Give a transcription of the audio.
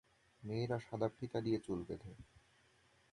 মেয়েরা সাদা ফিতা দিয়ে চুল বেঁধে।